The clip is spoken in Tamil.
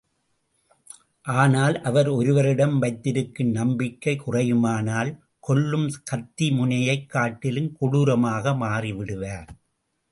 ஆனால் அவர் ஒருவரிடம் வைத்திருக்கும் நம்பிக்கை குறையுமானால், கொல்லும் கத்தி முனையைக் காட்டிலும் கொடுரமாக மாறிவிடுவார்.